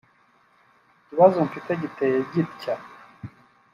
Ikibazo mfite giteye gitya